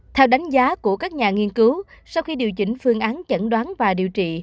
theo đánh giá của các nhà nghiên cứu sau khi điều chỉnh phương án chẩn đoán và điều trị